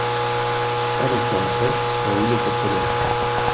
Un instant après, Raoul était près d'elle.